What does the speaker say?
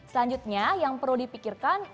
selanjutnya yang perlu dipikirkan